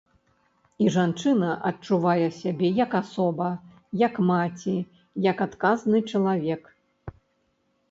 І жанчына адчувае сябе як асоба, як маці, як адказны чалавек.